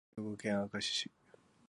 兵庫県明石市